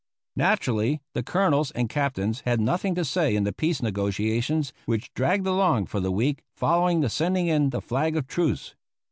Naturally, the colonels and captains had nothing to say in the peace negotiations which dragged along for the week following the sending in the flag of truce.